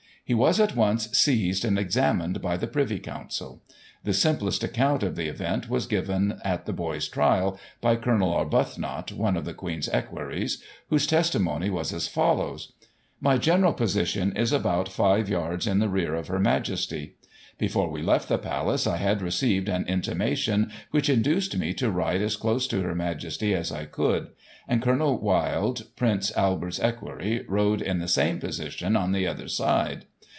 He was at once seized, and examined by the Privy Council. The simplest account of the event was given at the boy's trial by Col. Arbuthnot, one of the Queen's equerries, whose testi mony was as follows :'' My general position is about five yards in the rear of Her Majesty Before we left the Palace, I had received cin intimation which induced me to ride as close to Her Majesty as I could ; and Colonel Wylde, Prince Albert's equerry, rode in the same position, on the other side.